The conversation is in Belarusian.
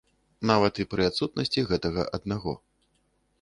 Нават і пры адсутнасці гэтага аднаго.